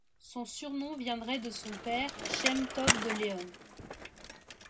Son surnom viendrait de son père Shem-Tov de León.